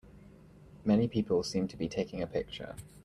Many people seem to be taking a picture.